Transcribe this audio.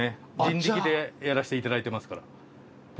人力でやらせていただいてますから。